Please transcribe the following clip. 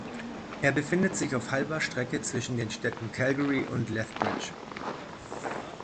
Er befindet sich auf halber Strecke zwischen den Städten Calgary und Lethbridge.